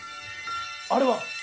あれは？